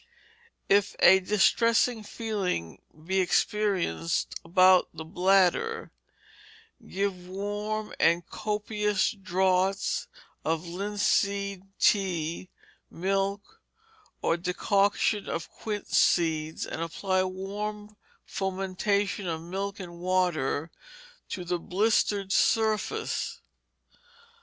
If a distressing feeling be experienced about the bladder, give warm and copious draughts of linseed tea, milk, or decoction of quince seeds, and apply warm fomentations of milk and water to the blistered surface.